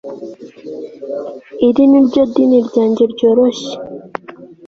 iri ni ryo dini ryanjye ryoroshye